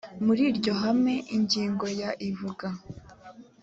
muri iryo hame ingingo ya ivuga